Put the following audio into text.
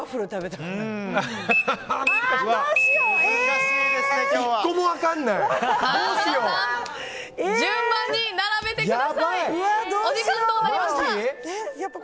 皆さん、順番に並べてください。